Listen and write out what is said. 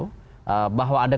bahwa ada kebutuhan pak jokowi dan